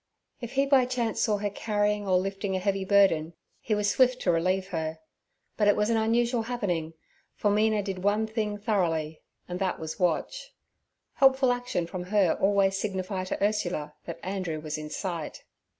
If he by chance saw her carrying or lifting a heavy burden, he was swift to relieve her; but it was an unusual happening, for Mina did one thing thoroughly, and that was watch. Helpful action from her always signified to Ursula that Andrew was in sight.